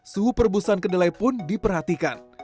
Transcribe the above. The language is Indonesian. suhu perbusan kedelai pun diperhatikan